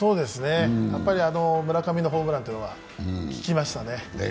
やっぱり村上のホームランというのが効きましたね。